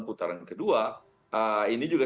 putaran kedua ini juga